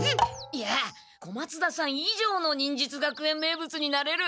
いや小松田さんいじょうの忍術学園名物になれる！